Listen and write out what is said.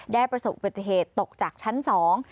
ได้ประสบประเทศตกจากชั้นสอง